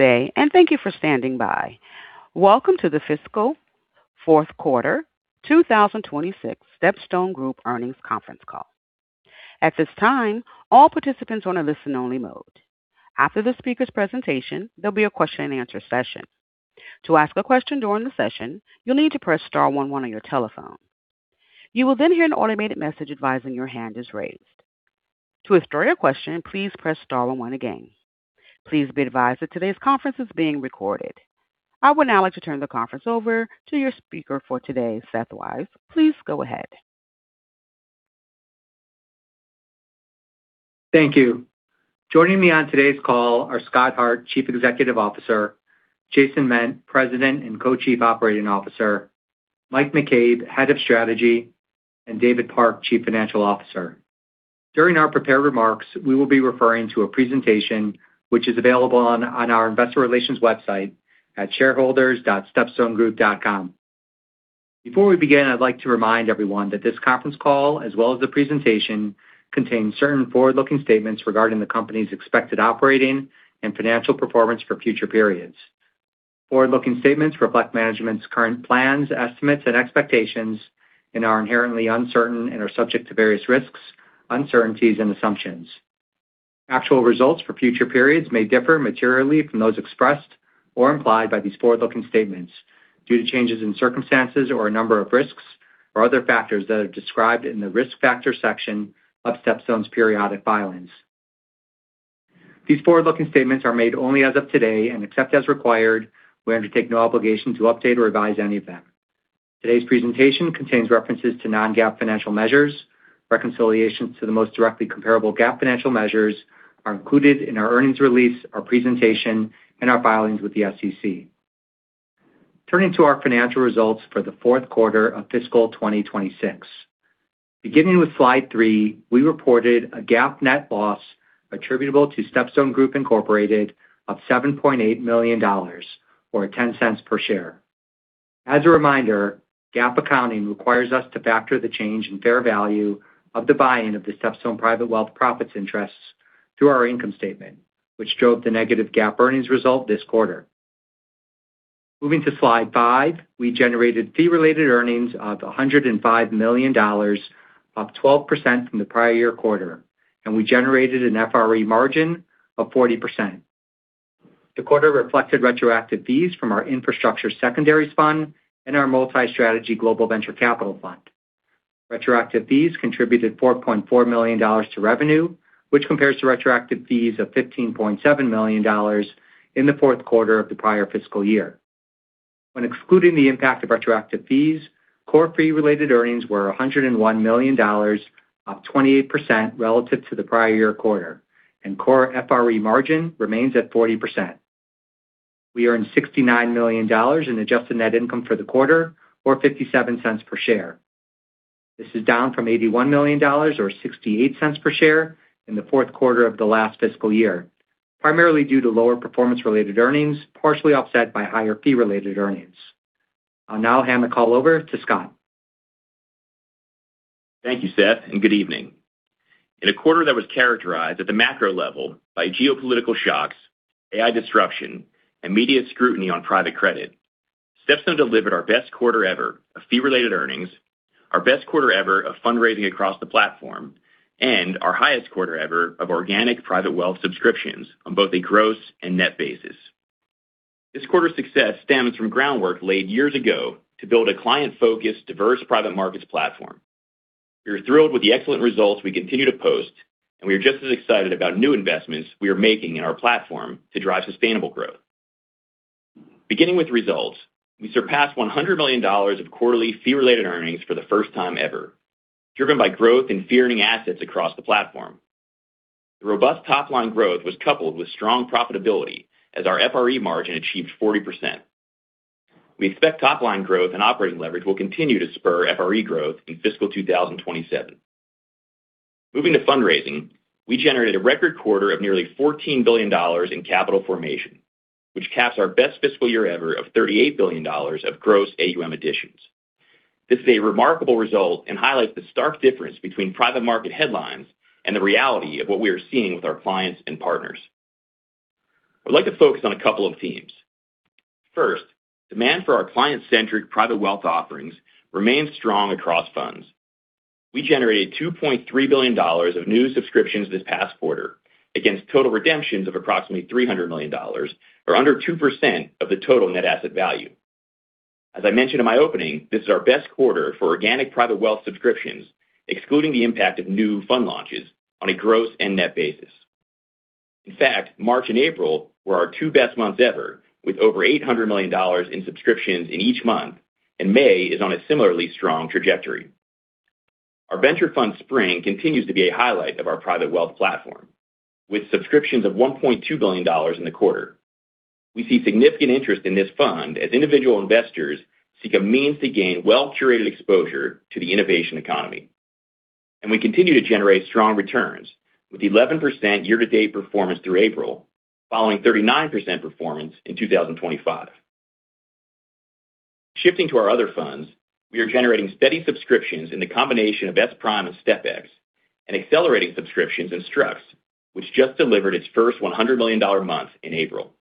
Day, and thank you for standing by. Welcome to the fiscal fourth quarter 2026 StepStone Group Earnings Conference Call. At this time, all participants are on a listen-only mode. After the speaker's presentation, there'll be a question and answer session. To ask a question during the session, you'll need to press star one one on your telephone. You will then hear an automated message advising your hand is raised. To withdraw your question, please press star one one again. Please be advised that today's conference is being recorded. I would now like to turn the conference over to your speaker for today, Seth Weiss. Please go ahead. Thank you. Joining me on today's call are Scott Hart, Chief Executive Officer, Jason Ment, President and Co-Chief Operating Officer, Mike McCabe, Head of Strategy, and David Park, Chief Financial Officer. During our prepared remarks, we will be referring to a presentation which is available on our investor relations website at shareholders.stepstonegroup.com. Before we begin, I'd like to remind everyone that this conference call, as well as the presentation, contains certain forward-looking statements regarding the company's expected operating and financial performance for future periods. Forward-looking statements reflect management's current plans, estimates, and expectations and are inherently uncertain and are subject to various risks, uncertainties, and assumptions. Actual results for future periods may differ materially from those expressed or implied by these forward-looking statements due to changes in circumstances or a number of risks or other factors that are described in the risk factor section of StepStone's periodic filings. These forward-looking statements are made only as of today, and except as required, we undertake no obligation to update or revise any of them. Today's presentation contains references to non-GAAP financial measures. Reconciliations to the most directly comparable GAAP financial measures are included in our earnings release, our presentation, and our filings with the SEC. Turning to our financial results for the fourth quarter of fiscal 2026. Beginning with slide three, we reported a GAAP net loss attributable to StepStone Group Inc. of $7.8 million, or $0.10 per share. As a reminder, GAAP accounting requires us to factor the change in fair value of the buy-in of the StepStone Private Wealth profits interests through our income statement, which drove the negative GAAP earnings result this quarter. Moving to slide five, we generated fee-related earnings of $105 million, up 12% from the prior year quarter, and we generated an FRE margin of 40%. The quarter reflected retroactive fees from our infrastructure secondaries fund and our multi-strategy global venture capital fund. Retroactive fees contributed $4.4 million to revenue, which compares to retroactive fees of $15.7 million in the fourth quarter of the prior fiscal year. When excluding the impact of retroactive fees, core fee-related earnings were $101 million, up 28% relative to the prior year quarter, and core FRE margin remains at 40%. We earned $69 million in adjusted net income for the quarter, or $0.57 per share. This is down from $81 million, or $0.68 per share in the fourth quarter of the last fiscal year, primarily due to lower performance-related earnings, partially offset by higher fee-related earnings. I'll now hand the call over to Scott. Thank you, Seth, and good evening. In a quarter that was characterized at the macro level by geopolitical shocks, AI disruption, and media scrutiny on private credit, StepStone delivered our best quarter ever of fee-related earnings, our best quarter ever of fundraising across the platform, and our highest quarter ever of organic private wealth subscriptions on both a gross and net basis. This quarter's success stems from groundwork laid years ago to build a client-focused, diverse private markets platform. We are thrilled with the excellent results we continue to post, and we are just as excited about new investments we are making in our platform to drive sustainable growth. Beginning with results, we surpassed $100 million of quarterly fee-related earnings for the first time ever, driven by growth in fee-earning assets across the platform. The robust top-line growth was coupled with strong profitability as our FRE margin achieved 40%. We expect top-line growth and operating leverage will continue to spur FRE growth in fiscal 2027. Moving to fundraising, we generated a record quarter of nearly $14 billion in capital formation, which caps our best fiscal year ever of $38 billion of gross AUM additions. This is a remarkable result and highlights the stark difference between private market headlines and the reality of what we are seeing with our clients and partners. I'd like to focus on a couple of themes. First, demand for our client-centric private wealth offerings remains strong across funds. We generated $2.3 billion of new subscriptions this past quarter against total redemptions of approximately $300 million, or under 2% of the total net asset value. As I mentioned in my opening, this is our best quarter for organic private wealth subscriptions, excluding the impact of new fund launches on a gross and net basis. In fact, March and April were our two best months ever, with over $800 million in subscriptions in each month, and May is on a similarly strong trajectory. Our venture fund SPRING continues to be a highlight of our StepStone Private Wealth, with subscriptions of $1.2 billion in the quarter. We see significant interest in this fund as individual investors seek a means to gain well-curated exposure to the innovation economy. We continue to generate strong returns, with 11% year-to-date performance through April, following 39% performance in 2025. Shifting to our other funds, we are generating steady subscriptions in the combination of SPRIM and STPEX, and accelerating subscriptions in STRUCTURE, which just delivered its first $100 million month in April.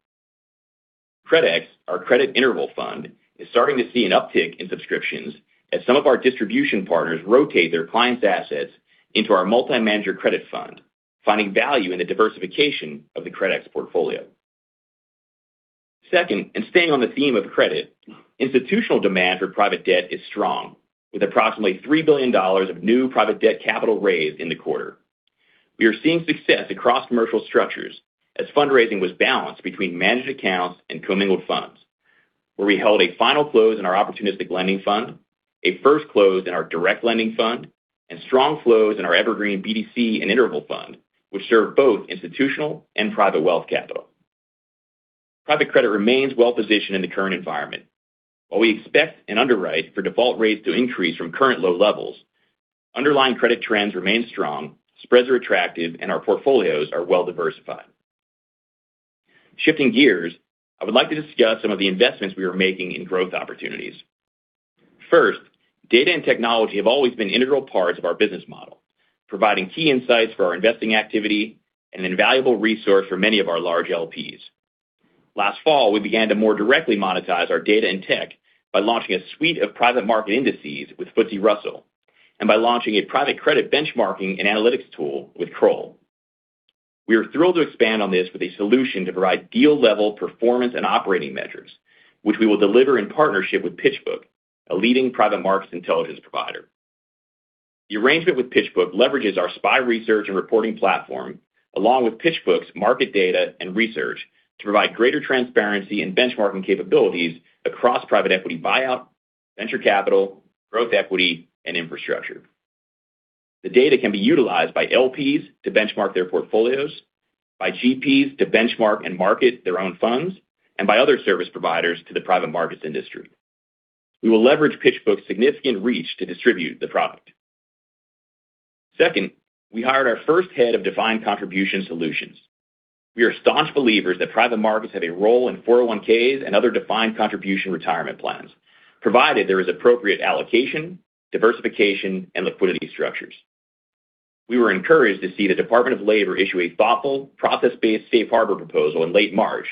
CRDEX, our credit interval fund, is starting to see an uptick in subscriptions as some of our distribution partners rotate their clients' assets into our multi-manager credit fund, finding value in the diversification of the CRDEX portfolio. Second, staying on the theme of credit, institutional demand for private debt is strong, with approximately $3 billion of new private debt capital raised in the quarter. We are seeing success across commercial structures as fundraising was balanced between managed accounts and commingled funds, where we held a final close in our opportunistic lending fund, a first close in our direct lending fund, and strong flows in our evergreen BDC and interval fund, which serve both institutional and private wealth capital. Private credit remains well-positioned in the current environment. While we expect an underwrite for default rates to increase from current low levels, underlying credit trends remain strong, spreads are attractive, and our portfolios are well-diversified. Shifting gears, I would like to discuss some of the investments we are making in growth opportunities. First, data and technology have always been integral parts of our business model, providing key insights for our investing activity and an invaluable resource for many of our large LPs. Last fall, we began to more directly monetize our data and tech by launching a suite of private market indices with FTSE Russell, and by launching a private credit benchmarking and analytics tool with Kroll. We are thrilled to expand on this with a solution to provide deal level performance and operating measures, which we will deliver in partnership with PitchBook, a leading private markets intelligence provider. The arrangement with PitchBook leverages our SPI research and reporting platform, along with PitchBook's market data and research to provide greater transparency and benchmarking capabilities across private equity buyout, venture capital, growth equity, and infrastructure. The data can be utilized by LPs to benchmark their portfolios, by GPs to benchmark and market their own funds, and by other service providers to the private markets industry. We will leverage PitchBook's significant reach to distribute the product. Second, we hired our first head of defined contribution solutions. We are staunch believers that private markets have a role in 401Ks and other defined contribution retirement plans, provided there is appropriate allocation, diversification, and liquidity structures. We were encouraged to see the Department of Labor issue a thoughtful, process-based safe harbor proposal in late March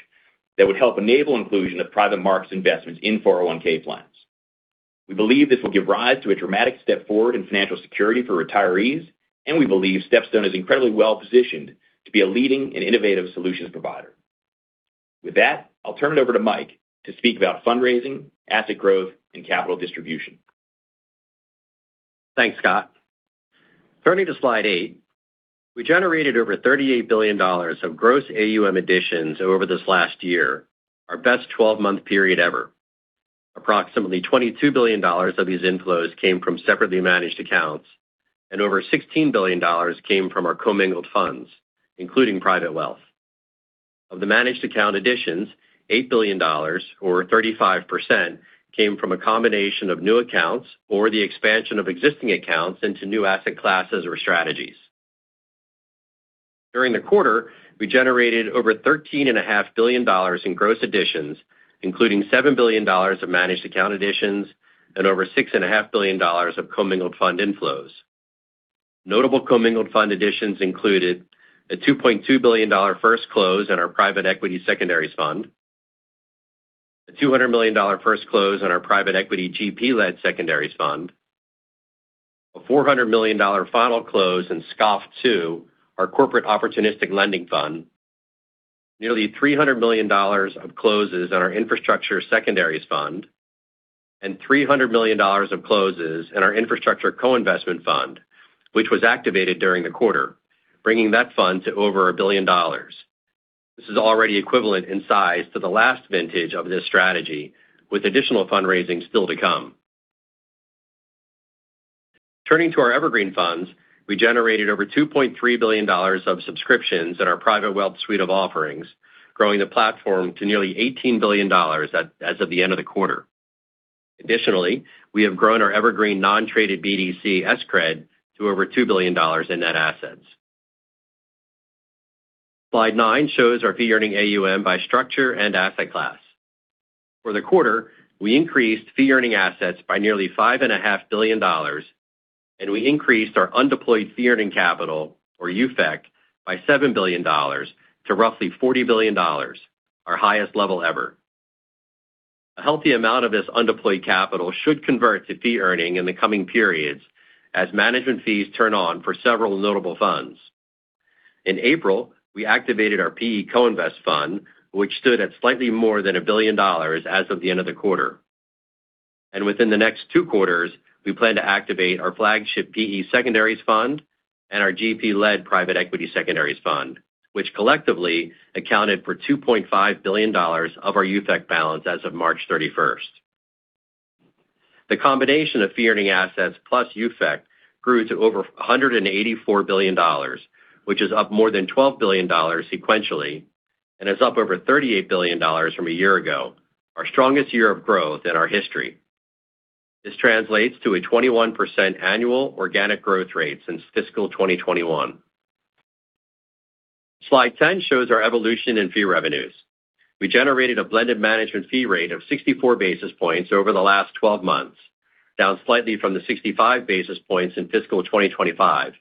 that would help enable inclusion of private markets investments in 401K plans. We believe this will give rise to a dramatic step forward in financial security for retirees, and we believe StepStone is incredibly well-positioned to be a leading and innovative solutions provider. With that, I'll turn it over to Mike to speak about fundraising, asset growth, and capital distribution. Thanks, Scott. Turning to slide eight, we generated over $38 billion of gross AUM additions over this last year, our best 12-month period ever. Approximately $22 billion of these inflows came from separately managed accounts, and over $16 billion came from our commingled funds, including private wealth. Of the managed account additions, $8 billion, or 35%, came from a combination of new accounts or the expansion of existing accounts into new asset classes or strategies. During the quarter, we generated over $13.5 billion in gross additions, including $7 billion of managed account additions and over $6.5 billion of commingled fund inflows. Notable commingled fund additions included a $2.2 billion first close in our private equity secondaries fund, a $200 million first close in our private equity GP-led secondaries fund, a $400 million final close in SCOF II, our corporate opportunistic lending fund, nearly $300 million of closes in our infrastructure secondaries fund, and $300 million of closes in our infrastructure co-investment fund, which was activated during the quarter, bringing that fund to over $1 billion. This is already equivalent in size to the last vintage of this strategy, with additional fundraising still to come. Turning to our evergreen funds, we generated over $2.3 billion of subscriptions in our private wealth suite of offerings, growing the platform to nearly $18 billion as of the end of the quarter. Additionally, we have grown our evergreen non-traded BDC SCRED to over $2 billion in net assets. Slide nine shows our fee-earning AUM by structure and asset class. For the quarter, we increased fee-earning assets by nearly $5.5 billion, and we increased our undeployed fee-earning capital, or UFEC, by $7 billion to roughly $40 billion, our highest level ever. A healthy amount of this undeployed capital should convert to fee-earning in the coming periods as management fees turn on for several notable funds. In April, we activated our PE co-invest fund, which stood at slightly more than $1 billion as of the end of the quarter. Within the next two quarters, we plan to activate our flagship PE secondaries fund and our GP-led private equity secondaries fund, which collectively accounted for $2.5 billion of our UFEC balance as of March 31st. The combination of fee-earning assets plus UFEC grew to over $184 billion, which is up more than $12 billion sequentially, and is up over $38 billion from a year ago, our strongest year of growth in our history. This translates to a 21% annual organic growth rate since fiscal 2021. Slide 10 shows our evolution in fee revenues. We generated a blended management fee rate of 64 basis points over the last 12 months, down slightly from the 65 basis points in fiscal 2025,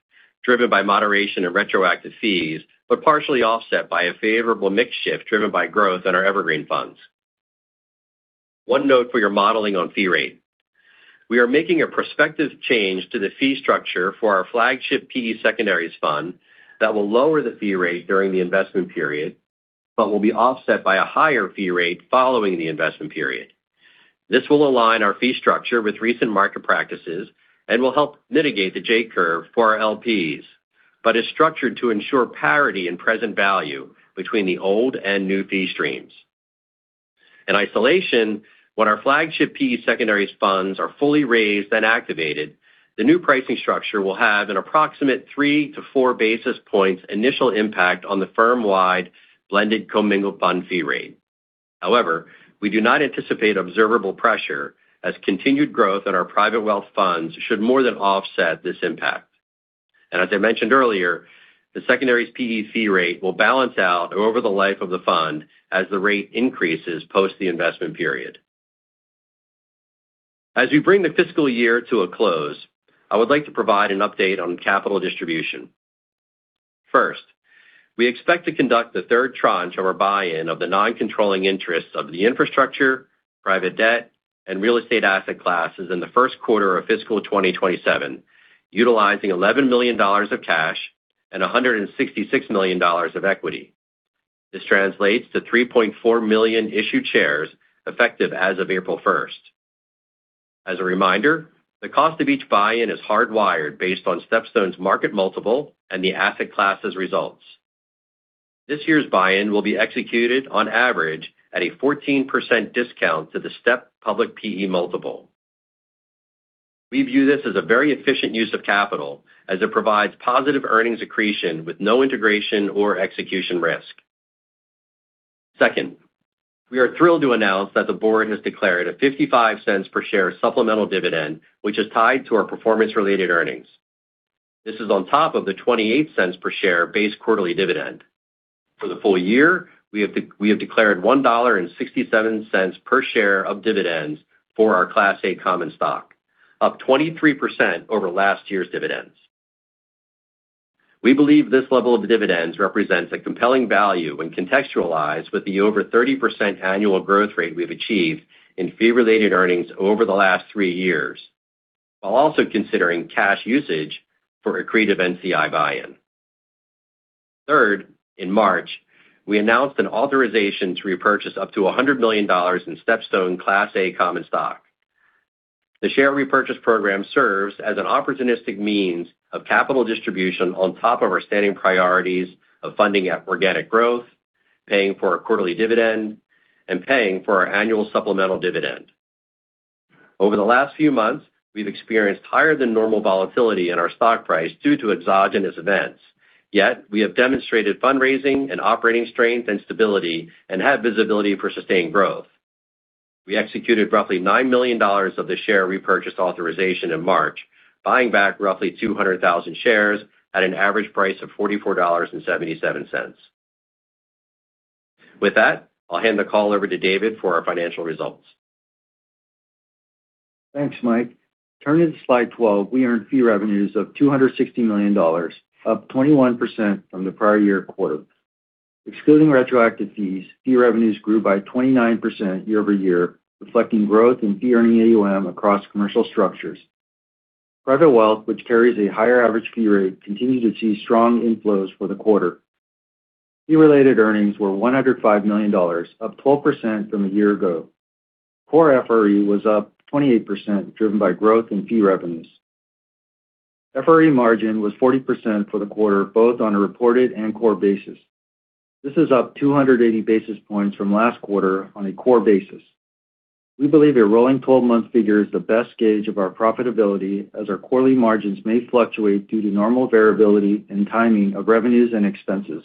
driven by moderation in retroactive fees, but partially offset by a favorable mix shift driven by growth in our evergreen funds. One note for your modeling on fee rate. We are making a prospective change to the fee structure for our flagship PE secondaries fund that will lower the fee rate during the investment period, but will be offset by a higher fee rate following the investment period. This will align our fee structure with recent market practices and will help mitigate the J-curve for our LPs, but is structured to ensure parity and present value between the old and new fee streams. In isolation, when our flagship PE secondaries funds are fully raised and activated, the new pricing structure will have an approximate three to four basis points initial impact on the firm-wide blended commingled fund fee rate. However, we do not anticipate observable pressure as continued growth in our private wealth funds should more than offset this impact. As I mentioned earlier, the secondaries PE fee rate will balance out over the life of the fund as the rate increases post the investment period. As we bring the fiscal year to a close, I would like to provide an update on capital distribution. First, we expect to conduct the third tranche of our buy-in of the non-controlling interest of the infrastructure, private debt, and real estate asset classes in the first quarter of fiscal 2027, utilizing $11 million of cash and $166 million of equity. This translates to 3.4 million issued shares effective as of April first. As a reminder, the cost of each buy-in is hardwired based on StepStone's market multiple and the asset class' results. This year's buy-in will be executed on average at a 14% discount to the STEP public PE multiple. We view this as a very efficient use of capital as it provides positive earnings accretion with no integration or execution risk. Second, we are thrilled to announce that the board has declared a $0.55 per share supplemental dividend, which is tied to our performance-related earnings. This is on top of the $0.28 per share base quarterly dividend. For the full year, we have declared $1.67 per share of dividends for our Class A common stock, up 23% over last year's dividends. We believe this level of dividends represents a compelling value when contextualized with the over 30% annual growth rate we've achieved in fee-related earnings over the last three years, while also considering cash usage for accretive NCI buy-in. Third, in March, we announced an authorization to repurchase up to $100 million in StepStone Class A common stock. The share repurchase program serves as an opportunistic means of capital distribution on top of our standing priorities of funding organic growth, paying for our quarterly dividend, and paying for our annual supplemental dividend. Over the last few months, we've experienced higher than normal volatility in our stock price due to exogenous events. Yet, we have demonstrated fundraising and operating strength and stability and have visibility for sustained growth. We executed roughly $9 million of the share repurchase authorization in March, buying back roughly 200,000 shares at an average price of $44.77. With that, I'll hand the call over to David for our financial results. Thanks, Mike. Turning to slide 12, we earned fee revenues of $260 million, up 21% from the prior year quarter. Excluding retroactive fees, fee revenues grew by 29% year-over-year, reflecting growth in fee-earning AUM across commercial structures. Private Wealth, which carries a higher average fee rate, continued to see strong inflows for the quarter. Fee-related earnings were $105 million, up 12% from a year ago. Core FRE was up 28%, driven by growth in fee revenues. FRE margin was 40% for the quarter, both on a reported and core basis. This is up 280 basis points from last quarter on a core basis. We believe a rolling 12-month figure is the best gauge of our profitability, as our quarterly margins may fluctuate due to normal variability in timing of revenues and expenses.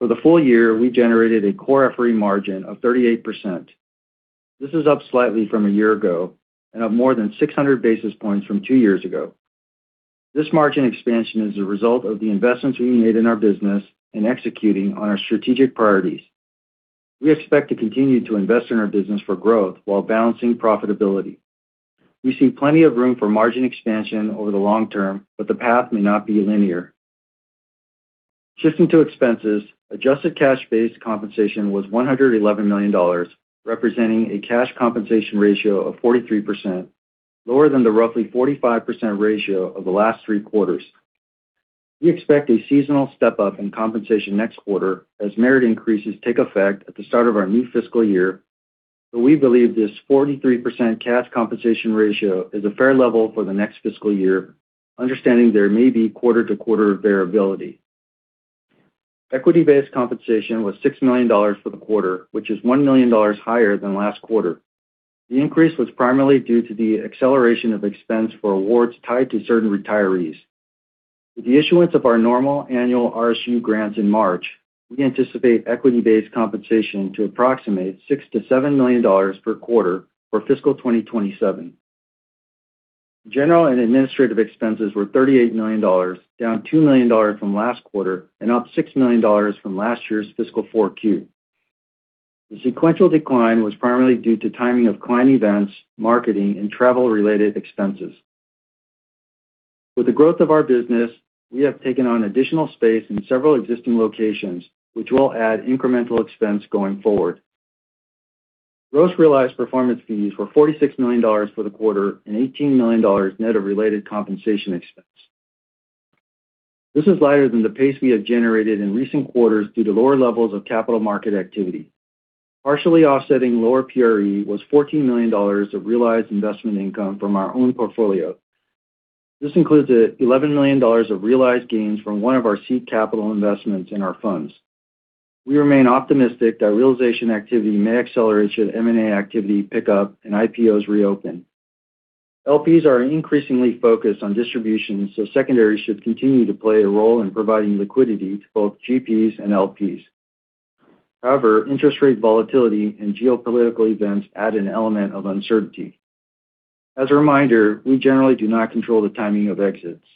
For the full year, we generated a core FRE margin of 38%. This is up slightly from a year ago and up more than 600 basis points from two years ago. This margin expansion is a result of the investments we made in our business and executing on our strategic priorities. We expect to continue to invest in our business for growth while balancing profitability. We see plenty of room for margin expansion over the long term, but the path may not be linear. Shifting to expenses, adjusted cash-based compensation was $111 million, representing a cash compensation ratio of 43%, lower than the roughly 45% ratio of the last three quarters. We expect a seasonal step-up in compensation next quarter as merit increases take effect at the start of our new fiscal year. We believe this 43% cash compensation ratio is a fair level for the next fiscal year, understanding there may be quarter-to-quarter variability. Equity-based compensation was $6 million for the quarter, which is $1 million higher than last quarter. The increase was primarily due to the acceleration of expense for awards tied to certain retirees. With the issuance of our normal annual RSU grants in March, we anticipate equity-based compensation to approximate $6 million-$7 million per quarter for fiscal 2027. General and administrative expenses were $38 million, down $2 million from last quarter and up $6 million from last year's fiscal 4Q. The sequential decline was primarily due to timing of client events, marketing, and travel-related expenses. With the growth of our business, we have taken on additional space in several existing locations, which will add incremental expense going forward. Gross realized performance fees were $46 million for the quarter and $18 million net of related compensation expense. This is lighter than the pace we have generated in recent quarters due to lower levels of capital market activity. Partially offsetting lower PRE was $14 million of realized investment income from our own portfolio. This includes $11 million of realized gains from one of our seed capital investments in our funds. We remain optimistic that realization activity may accelerate should M&A activity pick up and IPOs reopen. LPs are increasingly focused on distribution. Secondaries should continue to play a role in providing liquidity to both GPs and LPs. Interest rate volatility and geopolitical events add an element of uncertainty. As a reminder, we generally do not control the timing of exits.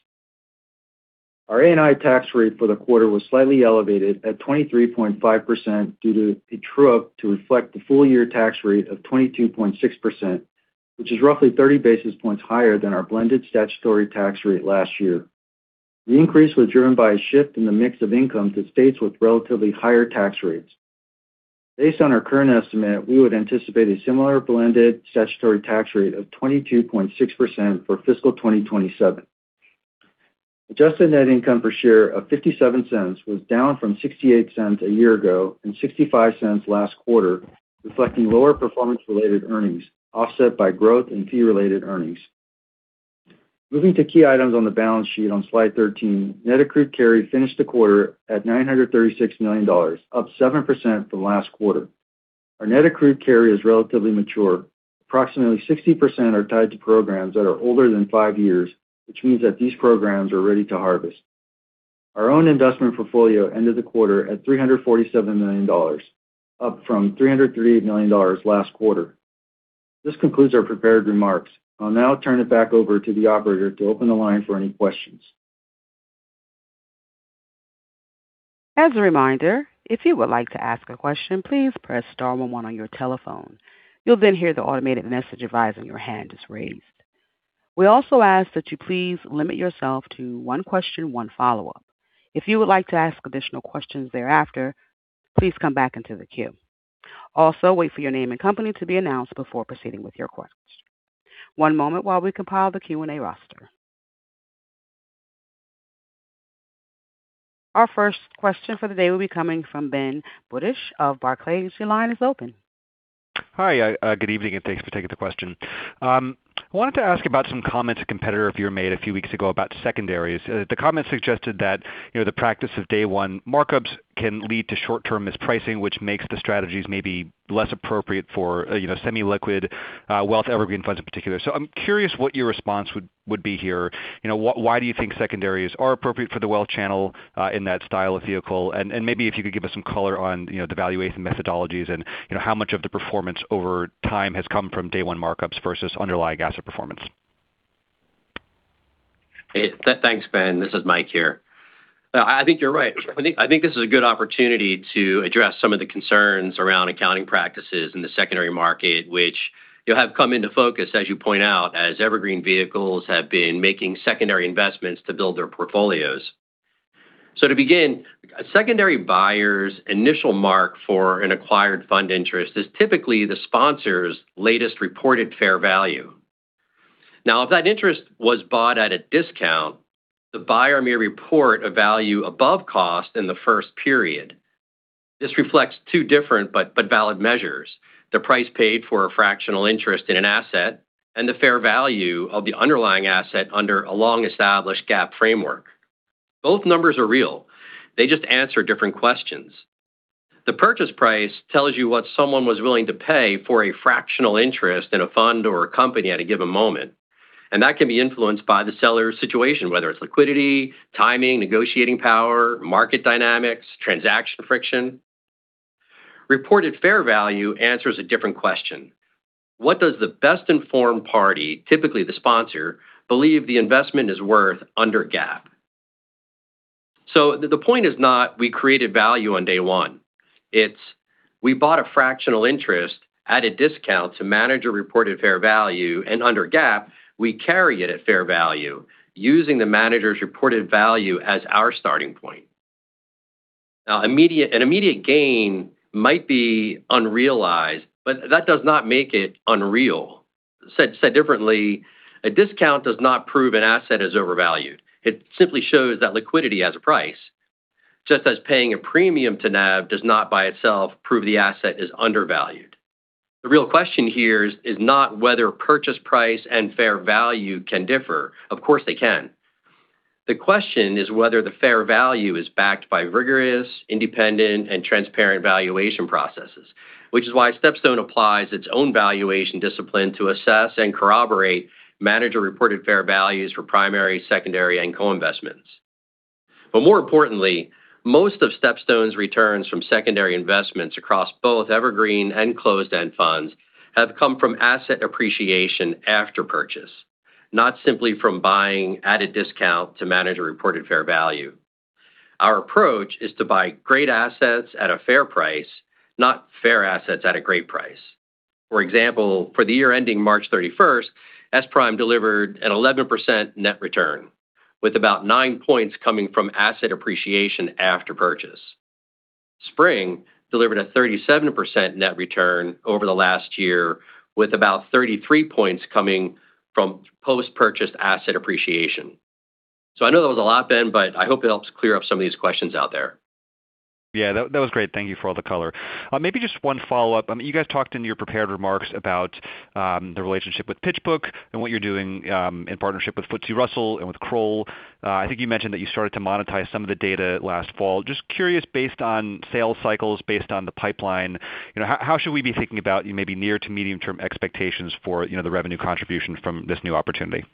Our ANI tax rate for the quarter was slightly elevated at 23.5% due to a true-up to reflect the full year tax rate of 22.6%, which is roughly 30 basis points higher than our blended statutory tax rate last year. The increase was driven by a shift in the mix of income to states with relatively higher tax rates. Based on our current estimate, we would anticipate a similar blended statutory tax rate of 22.6% for fiscal 2027. Adjusted net income per share of $0.57 was down from $0.68 a year ago and $0.65 last quarter, reflecting lower performance-related earnings offset by growth in fee-related earnings. Moving to key items on the balance sheet on slide 13, net accrued carry finished the quarter at $936 million, up 7% from last quarter. Our net accrued carry is relatively mature. Approximately 60% are tied to programs that are older than five years, which means that these programs are ready to harvest. Our own investment portfolio ended the quarter at $347 million, up from $338 million last quarter. This concludes our prepared remarks. I'll now turn it back over to the operator to open the line for any questions. We also ask that you please limit yourself to one question, one follow-up. If you would like to ask additional questions thereafter, please come back into the queue. Also, wait for your name and company to be announced before proceeding with your questions. One moment while we compile the Q&A roster. Our first question for the day will be coming from Benjamin Budish of Barclays. Your line is open. Hi. Good evening, and thanks for taking the question. I wanted to ask about some comments a competitor of yours made a few weeks ago about secondaries. The comments suggested that the practice of day one markups can lead to short-term mispricing, which makes the strategies maybe less appropriate for semi-liquid wealth evergreen funds in particular. I'm curious what your response would be here. Why do you think secondaries are appropriate for the wealth channel in that style of vehicle? Maybe if you could give us some color on the valuation methodologies and how much of the performance over time has come from day one markups versus underlying asset performance. Thanks, Ben. This is Mike here. I think you're right. I think this is a good opportunity to address some of the concerns around accounting practices in the secondary market, which have come into focus, as you point out, as evergreen vehicles have been making secondary investments to build their portfolios. To begin, a secondary buyer's initial mark for an acquired fund interest is typically the sponsor's latest reported fair value. Now, if that interest was bought at a discount, the buyer may report a value above cost in the first period. This reflects two different but valid measures, the price paid for a fractional interest in an asset, and the fair value of the underlying asset under a long-established GAAP framework. Both numbers are real. They just answer different questions. The purchase price tells you what someone was willing to pay for a fractional interest in a fund or a company at a given moment, and that can be influenced by the seller's situation, whether it's liquidity, timing, negotiating power, market dynamics, transaction friction. Reported fair value answers a different question. What does the best-informed party, typically the sponsor, believe the investment is worth under GAAP? The point is not we created value on day one. It's we bought a fractional interest at a discount to manager-reported fair value, and under GAAP, we carry it at fair value using the manager's reported value as our starting point. Now, an immediate gain might be unrealized, but that does not make it unreal. Said differently, a discount does not prove an asset is overvalued. It simply shows that liquidity has a price, just as paying a premium to NAV does not by itself prove the asset is undervalued. The real question here is not whether purchase price and fair value can differ. Of course they can. The question is whether the fair value is backed by rigorous, independent, and transparent valuation processes, which is why StepStone applies its own valuation discipline to assess and corroborate manager-reported fair values for primary, secondary, and co-investments. More importantly, most of StepStone's returns from secondary investments across both evergreen and closed-end funds have come from asset appreciation after purchase, not simply from buying at a discount to manager-reported fair value. Our approach is to buy great assets at a fair price, not fair assets at a great price. For example, for the year ending March 31st, SPRIM delivered an 11% net return, with about nine points coming from asset appreciation after purchase. SPRING delivered a 37% net return over the last year, with about 33 points coming from post-purchase asset appreciation. I know that was a lot, Ben, but I hope it helps clear up some of these questions out there. That was great. Thank you for all the color. Maybe just one follow-up. You guys talked in your prepared remarks about the relationship with PitchBook and what you're doing in partnership with FTSE Russell and with Kroll. I think you mentioned that you started to monetize some of the data last fall. Just curious, based on sales cycles, based on the pipeline, how should we be thinking about maybe near to medium term expectations for the revenue contribution from this new opportunity? Yeah,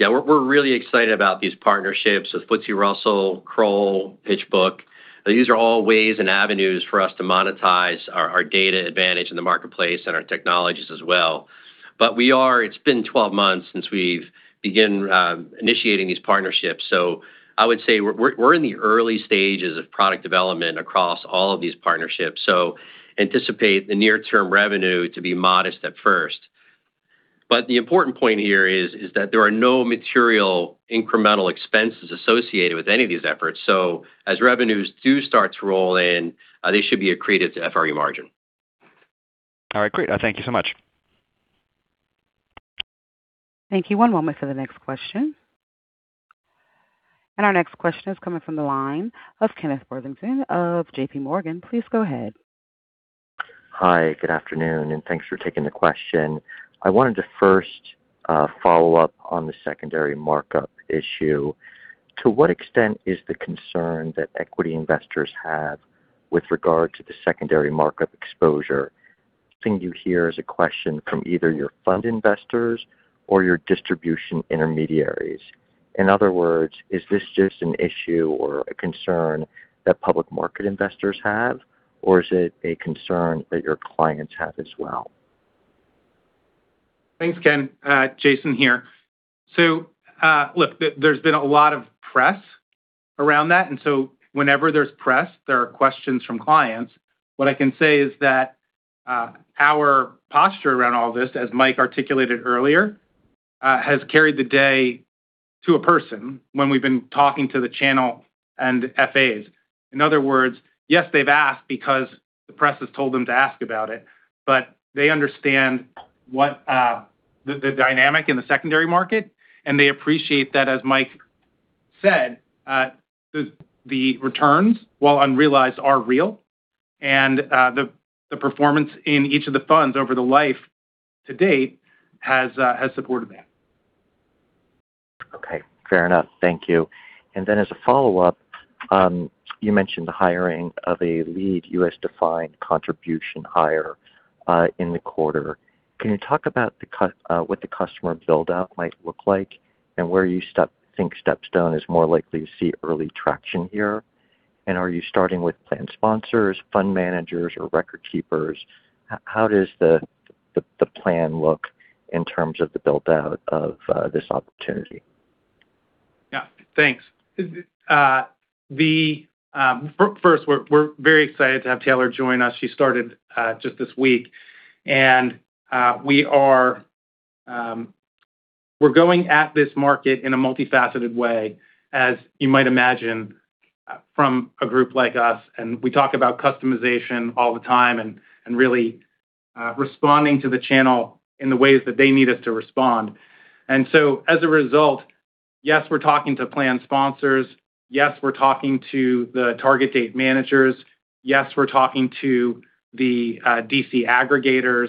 we're really excited about these partnerships with FTSE Russell, Kroll, PitchBook. These are all ways and avenues for us to monetize our data advantage in the marketplace and our technologies as well. It's been 12 months since we've began initiating these partnerships, I would say we're in the early stages of product development across all of these partnerships, anticipate the near term revenue to be modest at first. The important point here is that there are no material incremental expenses associated with any of these efforts. As revenues do start to roll in, they should be accretive to FRE margin. All right, great. Thank you so much. Thank you. One moment for the next question. Our next question is coming from the line of Kenneth Worthington of JPMorgan. Please go ahead. Hi, good afternoon, and thanks for taking the question. I wanted to first follow up on the secondary markup issue. To what extent is the concern that equity investors have with regard to the secondary markup exposure, something you hear as a question from either your fund investors or your distribution intermediaries? In other words, is this just an issue or a concern that public market investors have, or is it a concern that your clients have as well? Thanks, Ken. Jason here. Look, there's been a lot of press around that, and whenever there's press, there are questions from clients. What I can say is that our posture around all this, as Mike articulated earlier, has carried the day to a person when we've been talking to the channel and FAs. In other words, yes, they've asked because the press has told them to ask about it, but they understand the dynamic in the secondary market, and they appreciate that, as Mike said, the returns, while unrealized, are real. The performance in each of the funds over the life to date has supported that. Okay, fair enough. Thank you. As a follow-up, you mentioned the hiring of a lead U.S. defined contribution hire in the quarter. Can you talk about what the customer build-out might look like and where you think StepStone is more likely to see early traction here? Are you starting with plan sponsors, fund managers, or record keepers? How does the plan look in terms of the build-out of this opportunity? Yeah, thanks. First, we're very excited to have Taylor join us. She started just this week, and we're going at this market in a multifaceted way, as you might imagine from a group like us, and we talk about customization all the time and really responding to the channel in the ways that they need us to respond. As a result, yes, we're talking to plan sponsors. Yes, we're talking to the target date managers. Yes, we're talking to the DC aggregators,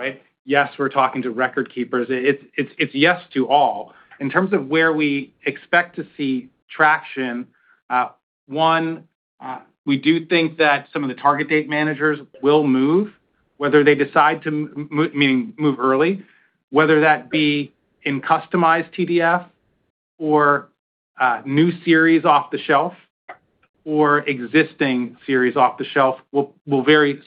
right? Yes, we're talking to record keepers. It's yes to all. In terms of where we expect to see traction, one, we do think that some of the target date managers will move, meaning move early, whether that be in customized TDF or new series off the shelf or existing series off the shelf will vary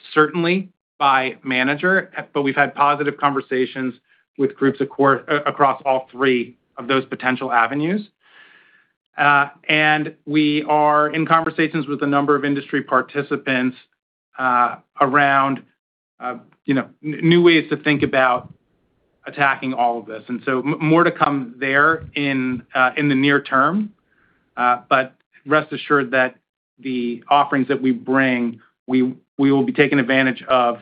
certainly by manager. We've had positive conversations with groups across all three of those potential avenues. We are in conversations with a number of industry participants around new ways to think about attacking all of this, and so more to come there in the near term. Rest assured that the offerings that we bring, we will be taking advantage of,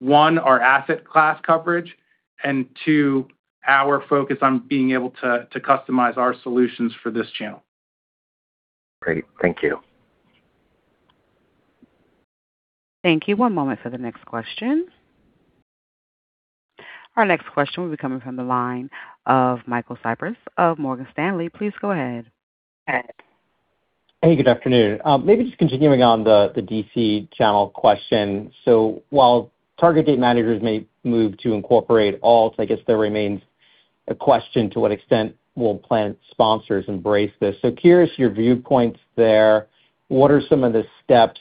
one, our asset class coverage, and two, our focus on being able to customize our solutions for this channel. Great. Thank you. Thank you. One moment for the next question. Our next question will be coming from the line of Michael Cyprys of Morgan Stanley. Please go ahead. Hey, good afternoon. Maybe just continuing on the DC channel question. While target date managers may move to incorporate alts, I guess there remains a question to what extent will plan sponsors embrace this? Curious your viewpoints there. What are some of the steps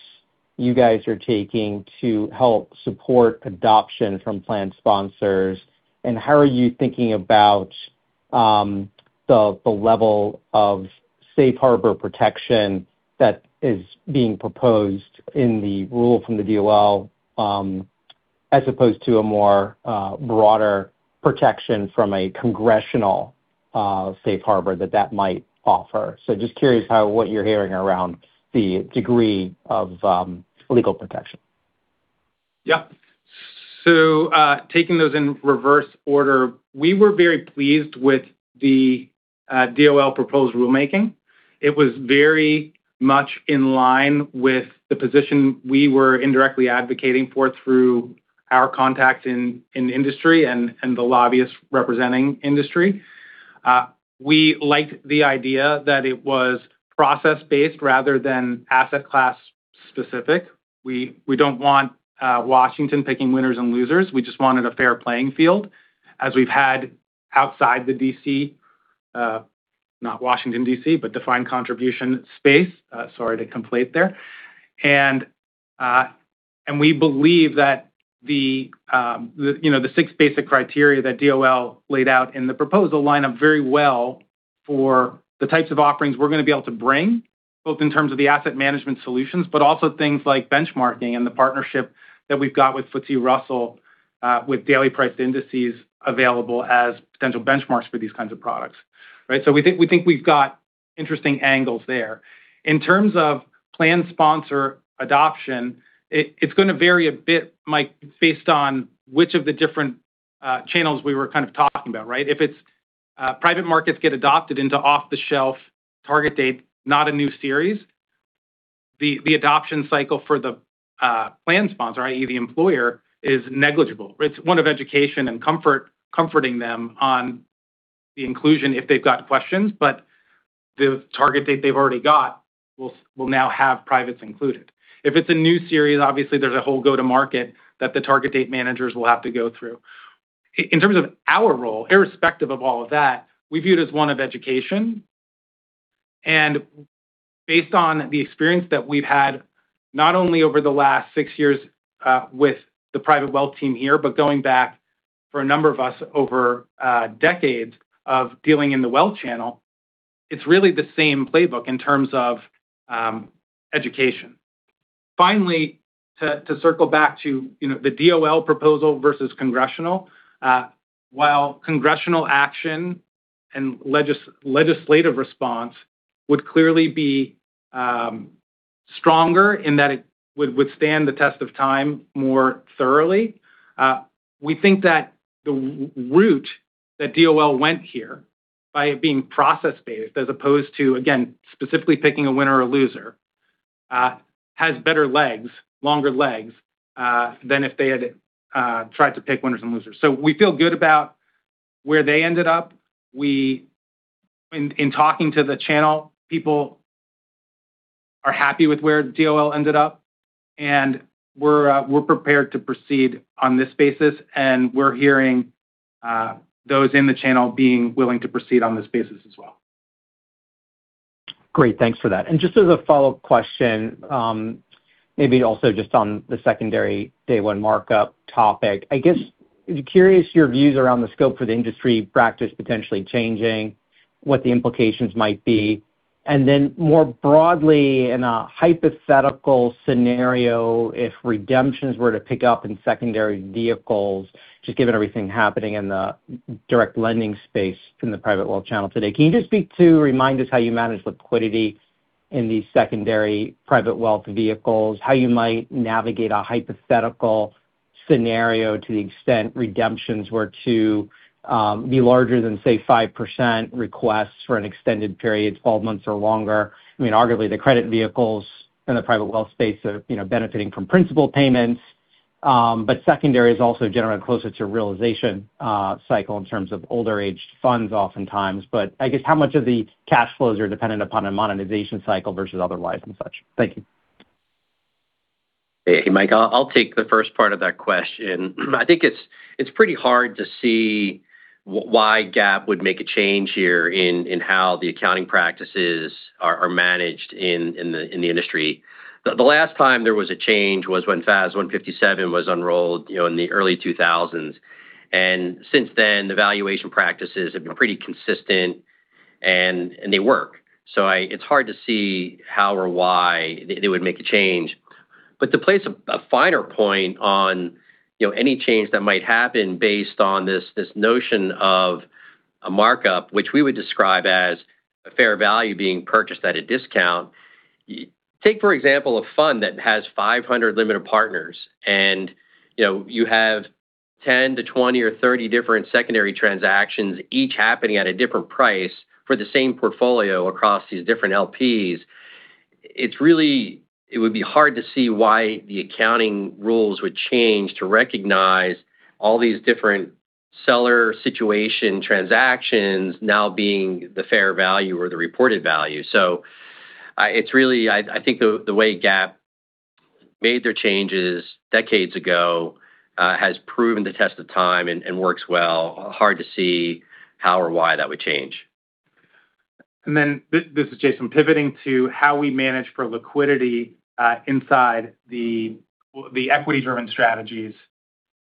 you guys are taking to help support adoption from plan sponsors? How are you thinking about the level of safe harbor protection that is being proposed in the rule from the DOL, as opposed to a more broader protection from a congressional safe harbor that that might offer? Just curious what you're hearing around the degree of legal protection. Yeah. Taking those in reverse order, we were very pleased with the DOL proposed rulemaking. It was very much in line with the position we were indirectly advocating for through our contacts in industry and the lobbyists representing industry. We liked the idea that it was process-based rather than asset class specific. We don't want Washington picking winners and losers. We just wanted a fair playing field, as we've had outside the DC, not Washington, D.C., but defined contribution space. Sorry to conflate there. We believe that the six basic criteria that DOL laid out in the proposal line up very well for the types of offerings we're going to be able to bring, both in terms of the asset management solutions, but also things like benchmarking and the partnership that we've got with FTSE Russell, with daily priced indices available as potential benchmarks for these kinds of products. Right? We think we've got interesting angles there. In terms of plan sponsor adoption, it's going to vary a bit, Mike, based on which of the different channels we were kind of talking about, right? If it's private markets get adopted into off-the-shelf target date, not a new series, the adoption cycle for the plan sponsor, i.e., the employer, is negligible. It's one of education and comforting them on the inclusion if they've got questions, but the target date they've already got will now have privates included. If it's a new series, obviously, there's a whole go-to-market that the target date managers will have to go through. In terms of our role, irrespective of all of that, we view it as one of education. Based on the experience that we've had, not only over the last six years with the private wealth team here, but going back for a number of us over decades of dealing in the wealth channel, it's really the same playbook in terms of education. Finally, to circle back to the DOL proposal versus congressional. While congressional action and legislative response would clearly be stronger in that it would withstand the test of time more thoroughly, we think that the route that DOL went here by it being process-based, as opposed to, again, specifically picking a winner or loser, has better legs, longer legs, than if they had tried to pick winners and losers. We feel good about where they ended up. In talking to the channel, people are happy with where the DOL ended up, and we're prepared to proceed on this basis, and we're hearing those in the channel being willing to proceed on this basis as well. Great. Thanks for that. Just as a follow-up question, maybe also just on the secondary day 1 markup topic, I guess, curious your views around the scope for the industry practice potentially changing, what the implications might be. Then more broadly, in a hypothetical scenario, if redemptions were to pick up in secondary vehicles, just given everything happening in the direct lending space in the private wealth channel today, can you just speak to remind us how you manage liquidity in these secondary private wealth vehicles, how you might navigate a hypothetical scenario to the extent redemptions were to be larger than, say, 5% requests for an extended period, 12 months or longer. I mean, arguably, the credit vehicles in the private wealth space are benefiting from principal payments. Secondary is also generally closer to realization cycle in terms of older-aged funds oftentimes. I guess how much of the cash flows are dependent upon a monetization cycle versus otherwise and such? Thank you. Hey, Michael. I'll take the first part of that question. I think it's pretty hard to see why GAAP would make a change here in how the accounting practices are managed in the industry. The last time there was a change was when FAS 157 was unrolled in the early 2000s. Since then, the valuation practices have been pretty consistent, and they work. It's hard to see how or why they would make a change. To place a finer point on any change that might happen based on this notion of a markup, which we would describe as a fair value being purchased at a discount. Take, for example, a fund that has 500 limited partners, and you have 10-20 or 30 different secondary transactions, each happening at a different price for the same portfolio across these different LPs. It would be hard to see why the accounting rules would change to recognize all these different seller situation transactions now being the fair value or the reported value. I think the way GAAP made their changes decades ago has proven the test of time and works well. Hard to see how or why that would change. This is Jason, pivoting to how we manage for liquidity inside the equity-driven strategies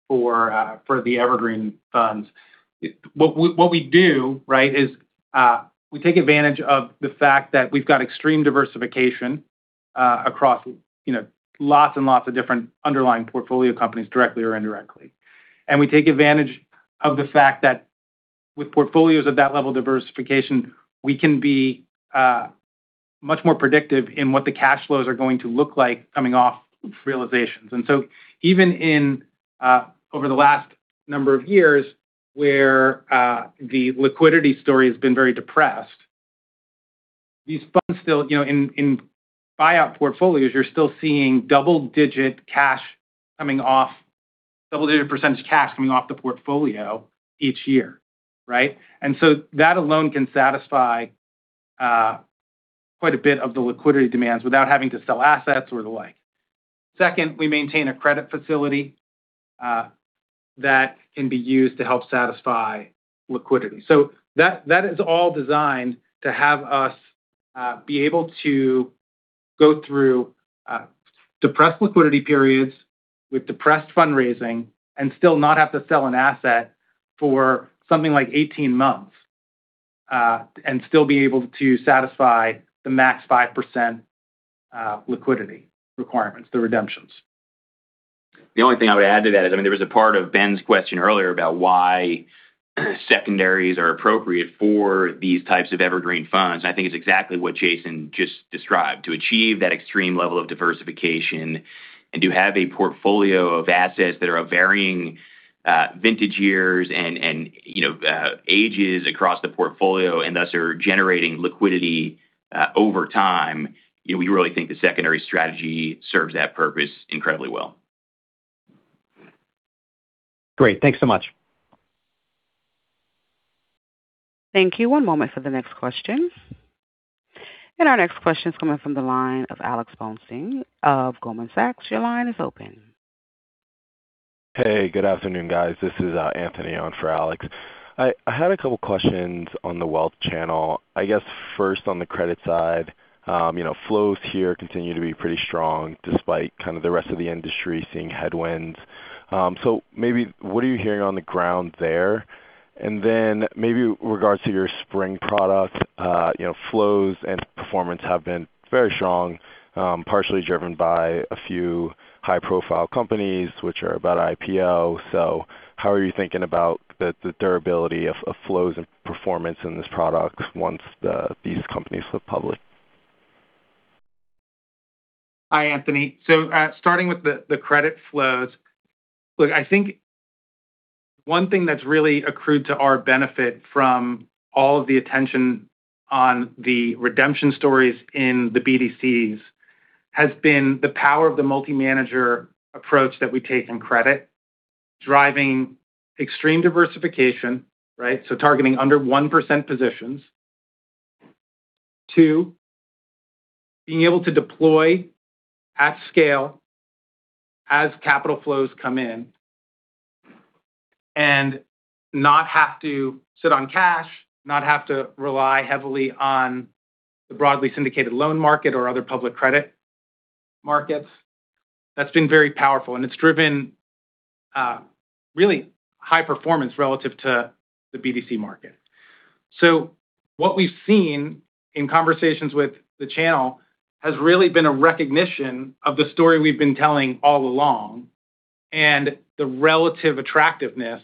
for the evergreen funds. What we do is we take advantage of the fact that we've got extreme diversification across lots and lots of different underlying portfolio companies, directly or indirectly. We take advantage of the fact that with portfolios of that level of diversification, we can be much more predictive in what the cash flows are going to look like coming off realizations. Even over the last number of years, where the liquidity story has been very depressed, these funds still, in buyout portfolios, you're still seeing double-digit percentage cash coming off the portfolio each year. Right? That alone can satisfy quite a bit of the liquidity demands without having to sell assets or the like. Second, we maintain a credit facility that can be used to help satisfy liquidity. That is all designed to have us be able to go through depressed liquidity periods with depressed fundraising, and still not have to sell an asset for something like 18 months, and still be able to satisfy the max 5% liquidity requirements, the redemptions. The only thing I would add to that is, there was a part of Ben's question earlier about why secondaries are appropriate for these types of evergreen funds. I think it's exactly what Jason just described. To achieve that extreme level of diversification and to have a portfolio of assets that are of varying vintage years and ages across the portfolio, and thus are generating liquidity over time, we really think the secondary strategy serves that purpose incredibly well. Great. Thanks so much. Thank you. One moment for the next question. Our next question is coming from the line of Alex Blostein of Goldman Sachs. Your line is open. Hey, good afternoon, guys. This is Anthony on for Alex. I had a couple questions on the wealth channel. I guess first on the credit side. Flows here continue to be pretty strong despite the rest of the industry seeing headwinds. Maybe what are you hearing on the ground there? Maybe with regards to your SPRING product, flows and performance have been very strong, partially driven by a few high-profile companies which are about IPO. How are you thinking about the durability of flows and performance in this product once these companies go public? Hi, Anthony. Starting with the credit flows. Look, I think one thing that's really accrued to our benefit from all of the attention on the redemption stories in the BDCs has been the power of the multi-manager approach that we take in credit, driving extreme diversification, right? Targeting under 1% positions. 2, being able to deploy at scale as capital flows come in, and not have to sit on cash, not have to rely heavily on the broadly syndicated loan market or other public credit markets. That's been very powerful, and it's driven really high performance relative to the BDC market. What we've seen in conversations with the channel has really been a recognition of the story we've been telling all along, and the relative attractiveness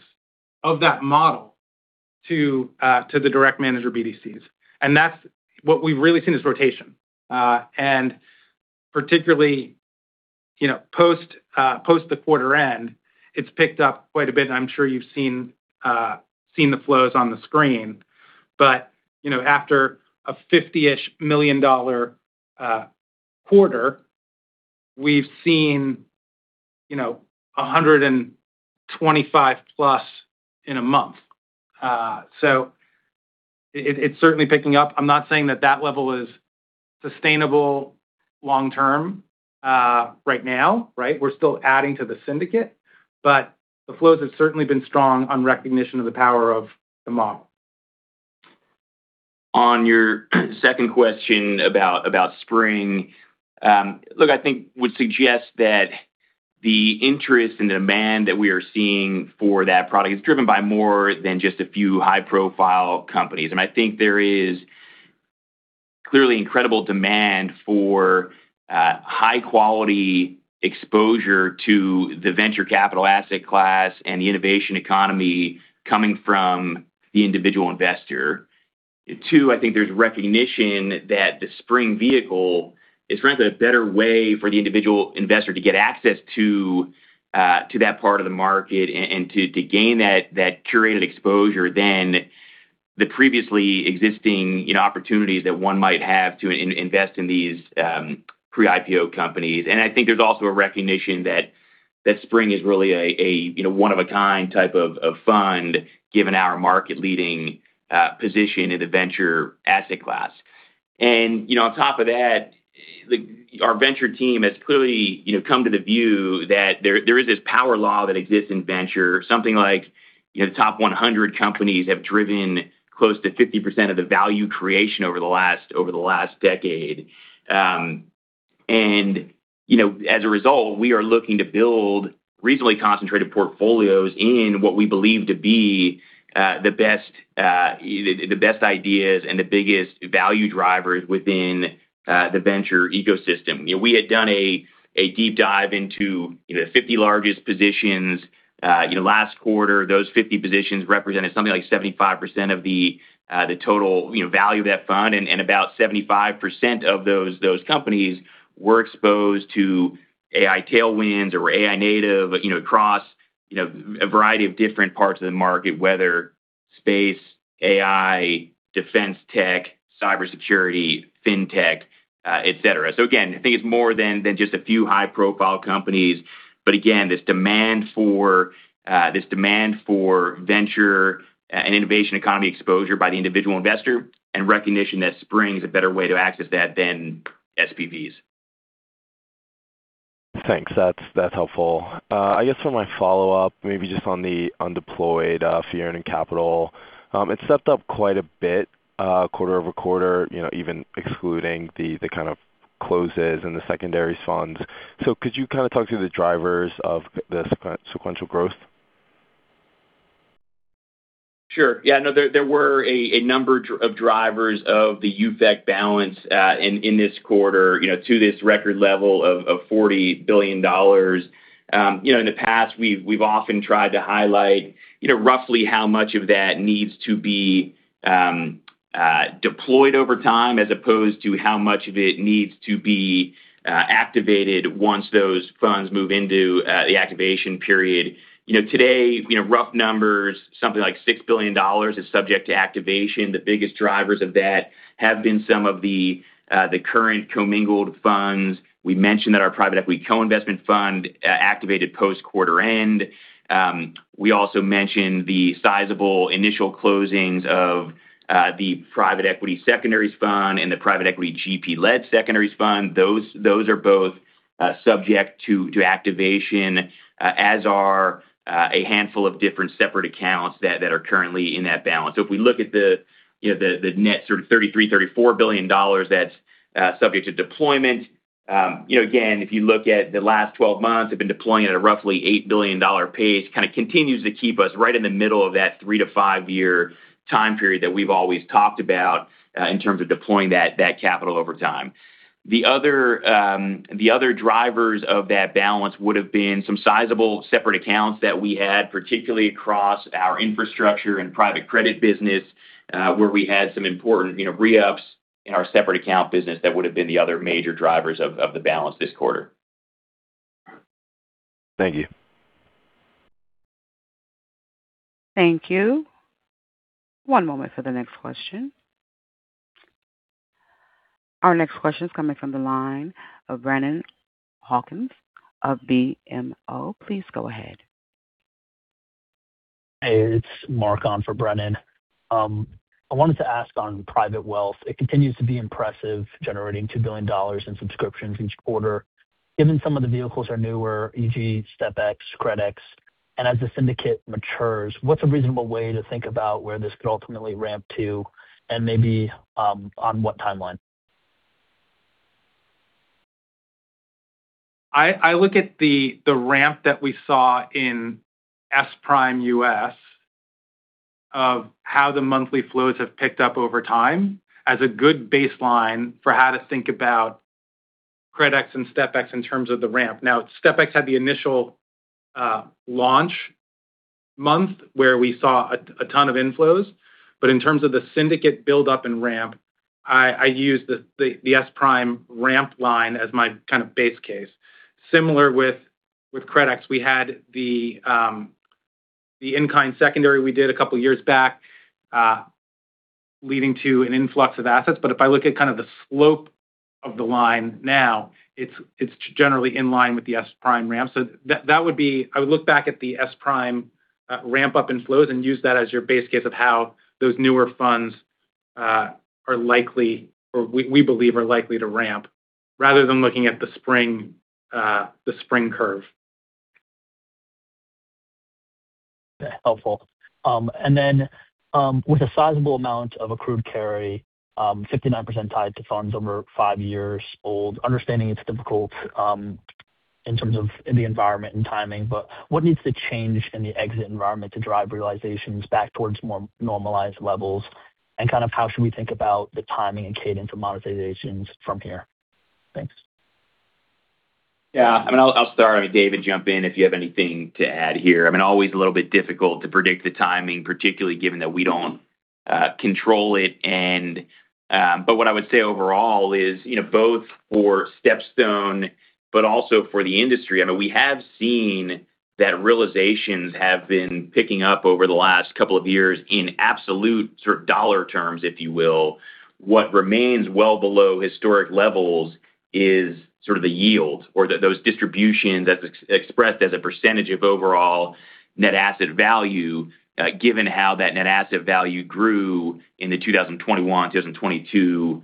of that model to the direct manager BDCs. That's what we've really seen is rotation. Particularly, post the quarter end, it's picked up quite a bit, and I'm sure you've seen the flows on the screen. After a $50 million quarter, we've seen $125+ million in a month. It's certainly picking up. I'm not saying that that level is sustainable long-term right now, right? We're still adding to the syndicate. The flows have certainly been strong on recognition of the power of the model. On your second question about SPRING. Look, I think would suggest that the interest and demand that we are seeing for that product is driven by more than just a few high-profile companies. I think there is clearly incredible demand for high-quality exposure to the venture capital asset class and the innovation economy coming from the individual investor. Two, I think there's recognition that the SPRING vehicle is perhaps a better way for the individual investor to get access to that part of the market and to gain that curated exposure than the previously existing opportunities that one might have to invest in these pre-IPO companies. I think there's also a recognition that SPRING is really a one-of-a-kind type of fund, given our market-leading position in the venture asset class. On top of that, our venture team has clearly come to the view that there is this power law that exists in venture. Something like the top 100 companies have driven close to 50% of the value creation over the last decade. As a result, we are looking to build reasonably concentrated portfolios in what we believe to be the best ideas and the biggest value drivers within the venture ecosystem. We had done a deep dive into the 50 largest positions. Last quarter, those 50 positions represented something like 75% of the total value of that fund, and about 75% of those companies were exposed to AI tailwinds or AI native across a variety of different parts of the market, whether space, AI, defense tech, cybersecurity, fintech, et cetera. Again, I think it's more than just a few high-profile companies. Again, this demand for venture and innovation economy exposure by the individual investor and recognition that SPRING is a better way to access that than SPVs. Thanks. That's helpful. I guess for my follow-up, maybe just on the Undeployed Fee-Earning Capital. It's stepped up quite a bit quarter-over-quarter, even excluding the kind of closes and the secondaries funds. Could you kind of talk through the drivers of the sequential growth? Sure. Yeah, no, there were a number of drivers of the UFEC balance in this quarter to this record level of $40 billion. In the past, we've often tried to highlight roughly how much of that needs to be deployed over time as opposed to how much of it needs to be activated once those funds move into the activation period. Today, rough numbers, something like $6 billion is subject to activation. The biggest drivers of that have been some of the current commingled funds. We mentioned that our private equity co-investment fund activated post-quarter end. We also mentioned the sizable initial closings of the private equity secondaries fund and the private equity GP-led secondaries fund. Those are both subject to activation, as are a handful of different separate accounts that are currently in that balance. If we look at the net sort of $33 billion, $34 billion that's subject to deployment. Again, if you look at the last 12 months, they've been deploying at a roughly $8 billion pace. Kind of continues to keep us right in the middle of that three to five-year time period that we've always talked about in terms of deploying that capital over time. The other drivers of that balance would have been some sizable separate accounts that we had, particularly across our infrastructure and private credit business, where we had some important re-ups in our separate account business that would have been the other major drivers of the balance this quarter. Thank you. Thank you. One moment for the next question. Our next question is coming from the line of Brennan Hawken of BMO. Please go ahead. Hey, it's Mark on for Brennan. I wanted to ask on private wealth, it continues to be impressive, generating $2 billion in subscriptions each quarter. Given some of the vehicles are newer, e.g., STPEX, CRDEX, and as the syndicate matures, what's a reasonable way to think about where this could ultimately ramp to and maybe on what timeline? I look at the ramp that we saw in SPRIM U.S. of how the monthly flows have picked up over time as a good baseline for how to think about CRDEX and STPEX in terms of the ramp. STPEX had the initial launch month where we saw a ton of inflows, but in terms of the syndicate buildup and ramp, I use the SPRIM ramp line as my kind of base case. Similar with CRDEX, we had the in-kind secondary we did two years back leading to an influx of assets. If I look at kind of the slope of the line now, it's generally in line with the SPRIM ramp. I would look back at the SPRIM ramp up inflows and use that as your base case of how those newer funds we believe are likely to ramp rather than looking at the SPRING curve. Helpful. Then with a sizable amount of accrued carry, 59% tied to funds over five years old, understanding it's difficult in terms of the environment and timing, but what needs to change in the exit environment to drive realizations back towards more normalized levels? Kind of how should we think about the timing and cadence of monetizations from here? Thanks. Yeah. I'll start. David, jump in if you have anything to add here. Always a little bit difficult to predict the timing, particularly given that we don't control it. What I would say overall is both for StepStone but also for the industry, we have seen that realizations have been picking up over the last couple of years in absolute dollar terms, if you will. What remains well below historic levels is the yield or those distributions as expressed as a percentage of overall net asset value, given how that net asset value grew in the 2021-2022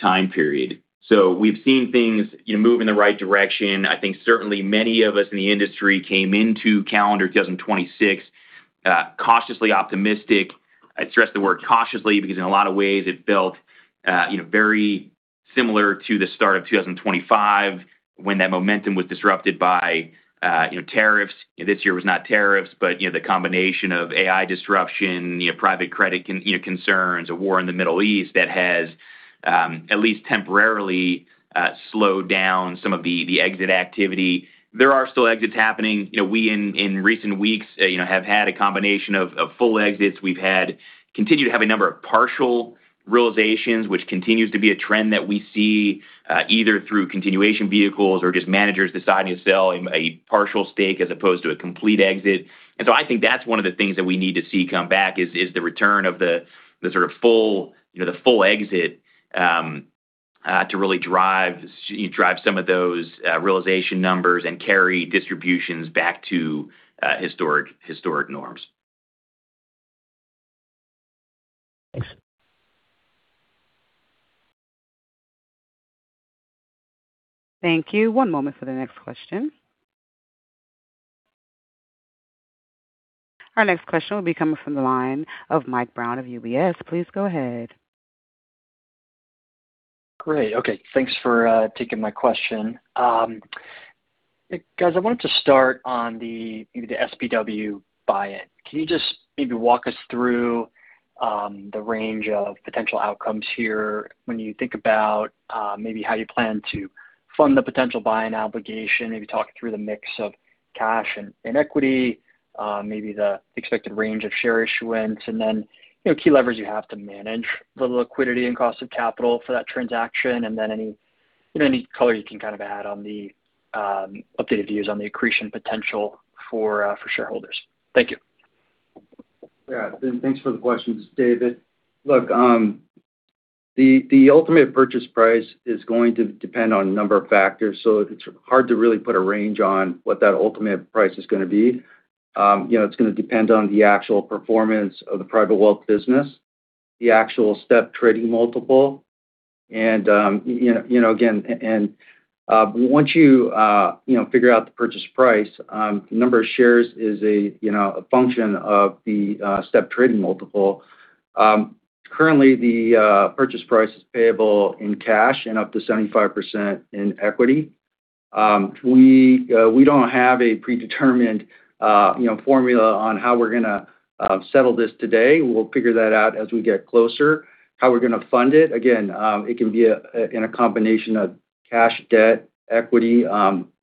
time period. We've seen things move in the right direction. I think certainly many of us in the industry came into calendar 2026 cautiously optimistic. I stress the word cautiously because in a lot of ways it felt very similar to the start of 2025 when that momentum was disrupted by tariffs. This year was not tariffs, but the combination of AI disruption, private credit concerns, a war in the Middle East that has at least temporarily slowed down some of the exit activity. There are still exits happening. We in recent weeks have had a combination of full exits. We've continued to have a number of partial realizations, which continues to be a trend that we see, either through continuation vehicles or just managers deciding to sell a partial stake as opposed to a complete exit. I think that's one of the things that we need to see come back is the return of the full exit to really drive some of those realization numbers and carry distributions back to historic norms. Thanks. Thank you. One moment for the next question. Our next question will be coming from the line of Michael Brown of UBS. Please go ahead. Great. Okay, thanks for taking my question. Guys, I wanted to start on the SPW buy-in. Can you just maybe walk us through the range of potential outcomes here when you think about maybe how you plan to fund the potential buy-in obligation, maybe talk through the mix of cash and equity, maybe the expected range of share issuance, and then key levers you have to manage for the liquidity and cost of capital for that transaction, and then any color you can add on the updated views on the accretion potential for shareholders. Thank you. Yeah. Thanks for the question. This is David. Look, the ultimate purchase price is going to depend on a number of factors, it's hard to really put a range on what that ultimate price is going to be. It's going to depend on the actual performance of the private wealth business, the actual Step trading multiple. Once you figure out the purchase price, the number of shares is a function of the Step trading multiple. Currently, the purchase price is payable in cash and up to 75% in equity. We don't have a predetermined formula on how we're going to settle this today. We'll figure that out as we get closer. How we're going to fund it, again, it can be in a combination of cash, debt, equity,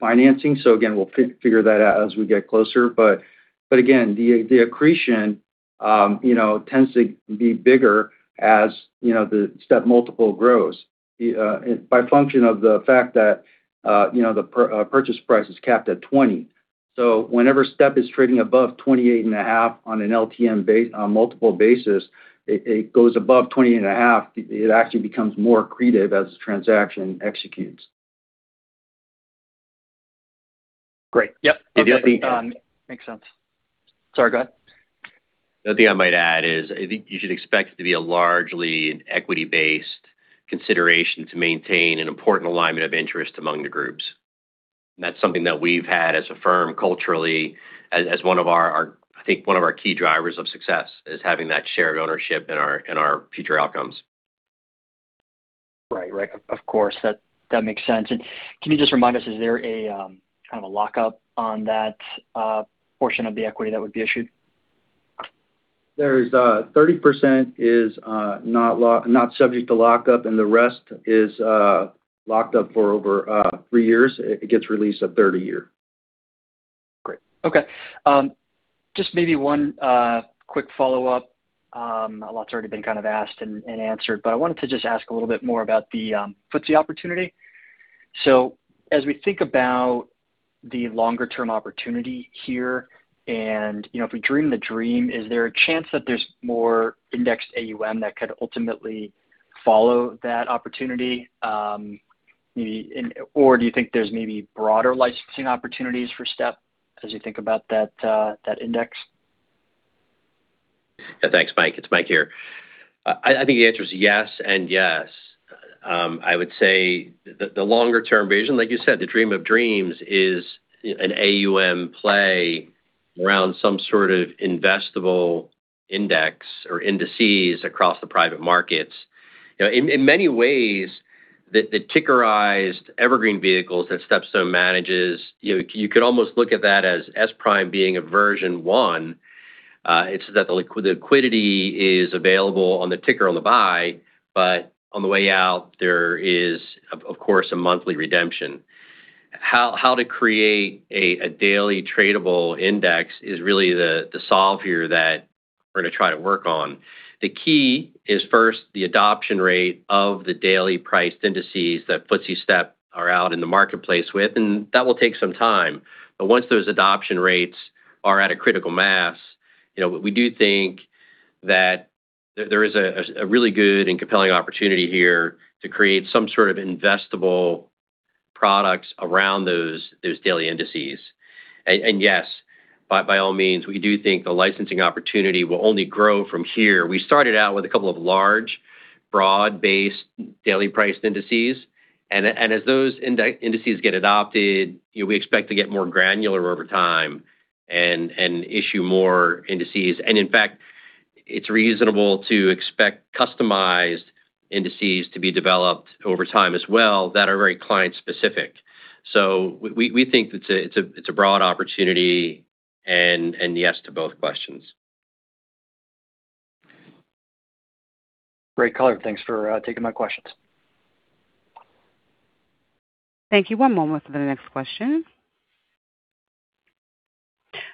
financing. Again, we'll figure that out as we get closer. Again, the accretion tends to be bigger as the Step multiple grows by function of the fact that the purchase price is capped at 20. Whenever Step is trading above 28.5 on an LTM multiple basis, it goes above 28.5, it actually becomes more accretive as the transaction executes. Great. Yep. Makes sense. Sorry, go ahead. The other thing I might add is I think you should expect it to be a largely equity-based consideration to maintain an important alignment of interest among the groups. That's something that we've had as a firm culturally as I think one of our key drivers of success, is having that shared ownership in our future outcomes. Right. Of course, that makes sense. Can you just remind us, is there a lockup on that portion of the equity that would be issued? 30% is not subject to lockup. The rest is locked up for over three years. It gets released a third a year. Great. Okay. Just maybe one quick follow-up. A lot's already been asked and answered, but I wanted to just ask a little bit more about the FTSE opportunity. As we think about the longer-term opportunity here, and if we dream the dream, is there a chance that there's more indexed AUM that could ultimately follow that opportunity? Or do you think there's maybe broader licensing opportunities for Step as you think about that index? Yeah, thanks, Mike. It's Mike here. I think the answer is yes and yes. I would say the longer-term vision, like you said, the dream of dreams is an AUM play around some sort of investable index or indices across the private markets. In many ways, the tickerized evergreen vehicles that StepStone manages, you could almost look at that as SPRIM being a version one. It's that the liquidity is available on the ticker on the buy, but on the way out there is, of course, a monthly redemption. How to create a daily tradable index is really the solve here that we're going to try to work on. The key is first the adoption rate of the daily price indices that FTSE StepStone are out in the marketplace with, and that will take some time. Once those adoption rates are at a critical mass, we do think that there is a really good and compelling opportunity here to create some sort of investable products around those daily indices. Yes, by all means, we do think the licensing opportunity will only grow from here. We started out with a couple of large, broad-based daily price indices, and as those indices get adopted, we expect to get more granular over time and issue more indices. In fact, it's reasonable to expect customized indices to be developed over time as well that are very client-specific. We think it's a broad opportunity, and yes to both questions. Great color. Thanks for taking my questions. Thank you. One moment for the next question.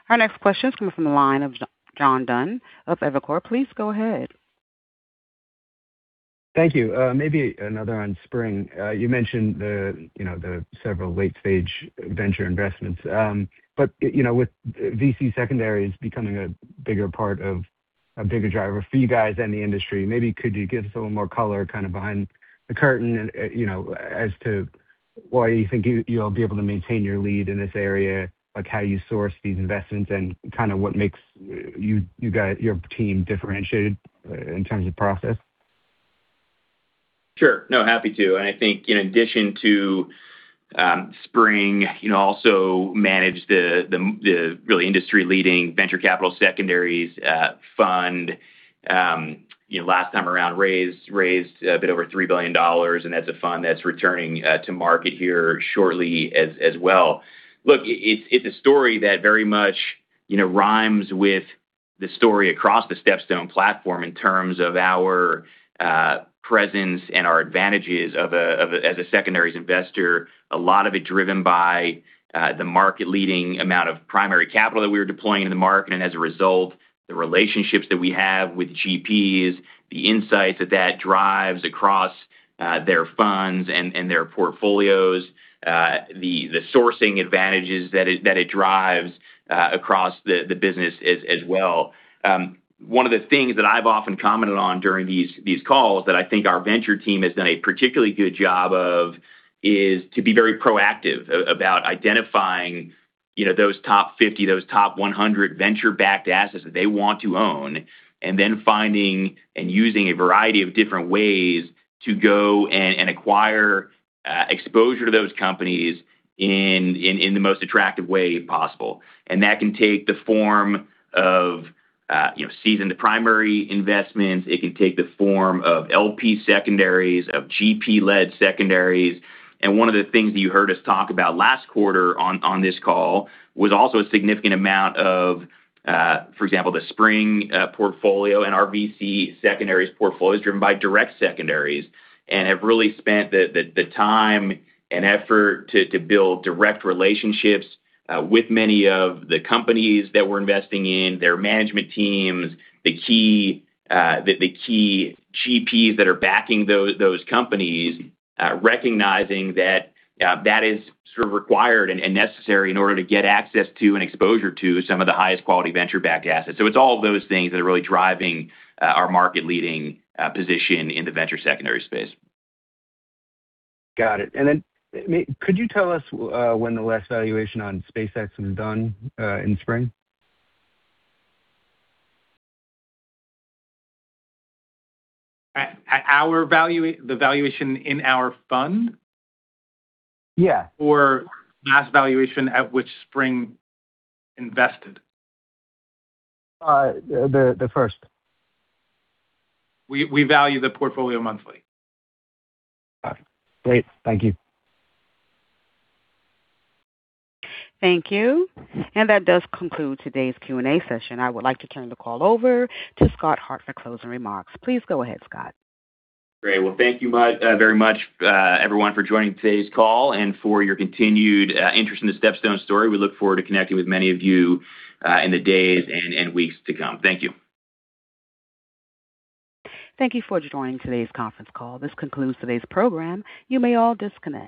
Our next question is coming from the line of John Dunn of Evercore. Please go ahead. Thank you. Another on SPRING. You mentioned the several late-stage venture investments. With VC secondaries becoming a bigger driver for you guys and the industry, maybe could you give us a little more color kind of behind the curtain as to why you think you'll be able to maintain your lead in this area, like how you source these investments and kind of what makes your team differentiated in terms of process? Sure. No, happy to. I think in addition to SPRING, also manage the really industry-leading venture capital secondaries fund. Last time around, raised a bit over $3 billion, and that's a fund that's returning to market here shortly as well. It's a story that very much rhymes with the story across the StepStone platform in terms of our presence and our advantages as a secondaries investor. A lot of it driven by the market-leading amount of primary capital that we are deploying in the market, and as a result, the relationships that we have with GPs, the insights that that drives across their funds and their portfolios, the sourcing advantages that it drives across the business as well. One of the things that I've often commented on during these calls that I think our venture team has done a particularly good job of is to be very proactive about identifying those top 50, those top 100 venture-backed assets that they want to own, and then finding and using a variety of different ways to go and acquire exposure to those companies in the most attractive way possible. That can take the form of seasoned primary investments. It can take the form of LP secondaries, of GP-led secondaries. One of the things that you heard us talk about last quarter on this call was also a significant amount of, for example, the SPRING portfolio and our VC secondaries portfolio is driven by direct secondaries and have really spent the time and effort to build direct relationships with many of the companies that we're investing in, their management teams, the key GPs that are backing those companies, recognizing that that is sort of required and necessary in order to get access to and exposure to some of the highest quality venture-backed assets. It's all those things that are really driving our market-leading position in the venture secondary space. Got it. Could you tell us when the last valuation on SpaceX was done in SPRING? The valuation in our fund? Yeah. Last valuation at which SPRING invested? The first. We value the portfolio monthly. Got it. Great. Thank you. Thank you. That does conclude today's Q&A session. I would like to turn the call over to Scott Hart for closing remarks. Please go ahead, Scott. Great. Thank you very much, everyone, for joining today's call and for your continued interest in the StepStone story. We look forward to connecting with many of you in the days and weeks to come. Thank you. Thank you for joining today's conference call. This concludes today's program. You may all disconnect.